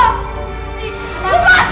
ini keterbalokan kita